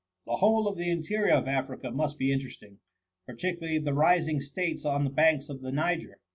" The whole of the interior of Africa must be interesting, particularly the rising states on the banks of the Niger.